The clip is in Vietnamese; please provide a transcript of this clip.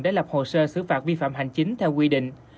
để lập hồ sơ xử phạt vi phạm hành chính theo quy định